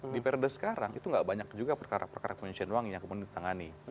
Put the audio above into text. di periode sekarang itu nggak banyak juga perkara perkara pencucian uang yang kemudian ditangani